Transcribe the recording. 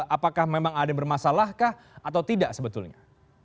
apakah memang ada yang bermasalah kah atau tidak sebetulnya